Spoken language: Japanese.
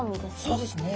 そうですね。